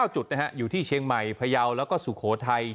จุดอยู่ที่เชียงใหม่พยาวแล้วก็สุโขทัย